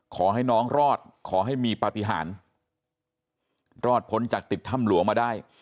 ขอให้น้องรอดขอให้มีปฏิหารรอดพ้นจากติดถ้ำหลวงมาได้